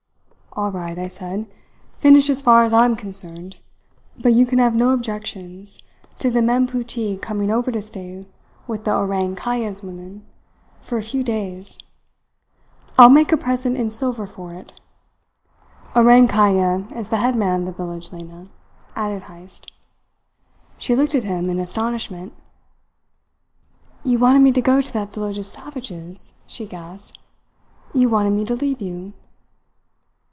"'All right,' I said. 'Finish as far as I am concerned; but you can have no objections to the mem putih coming over to stay with the Orang Kaya's women for a few days. I will make a present in silver for it.' Orang Kaya, is the head man of the village, Lena," added Heyst. She looked at him in astonishment. "You wanted me to go to that village of savages?" she gasped. "You wanted me to leave you?"